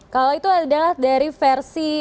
kalau itu adalah dari versi